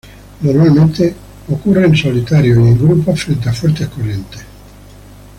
Normalmente ocurren solitarios, y en grupos frente a fuertes corrientes.